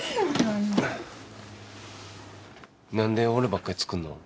何で俺ばっかり作るの？